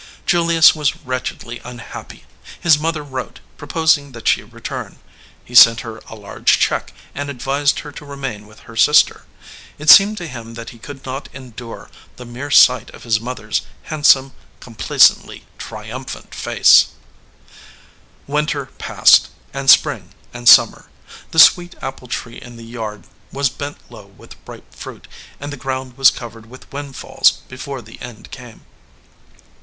Julius was wretchedly unhappy. His mother wrote, proposing that she return. He sent her a large check and advised her to remain with her sister. It seemed to him that he could not endure the mere sight of his mother s handsome, com placently triumphant face. 211 EDGEWATER PEOPLE Winter passed, and spring and summer. The sweet apple tree in the yard was bent low with ripe fruit, and the ground was covered with wind falls before the end came.